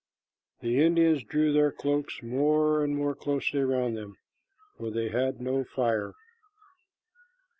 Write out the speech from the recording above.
The Indians drew their cloaks more and more closely around them, for they had no fire.